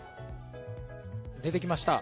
出てきました。